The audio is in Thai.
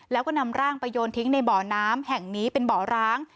แล้วก็นำร่างไปโยนทิ้งในบ่อน้ำแห่งนี้เป็นบ่อร้าง